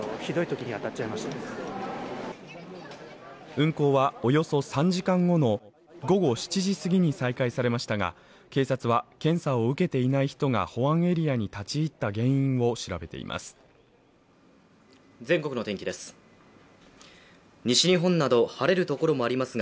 運航はおよそ３時間後の午後７時過ぎに再開されましたが警察は、検査を受けていない人が保安エリアに立ち入った原因を調べています。